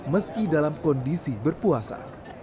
meski dalam kondisi berpuasa